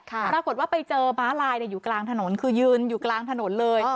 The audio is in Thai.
ปรากฏว่าไปเจอม้าลายอยู่กลางถนนคือยืนอยู่กลางถนนเลย